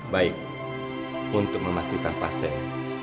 baik untuk memastikan pasien